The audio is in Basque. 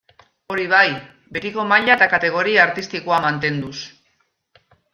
Hori bai, betiko maila eta kategoria artistikoa mantenduz.